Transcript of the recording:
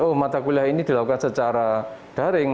oh mata kuliah ini dilakukan secara daring